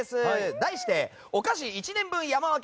題して、お菓子１年分山分け！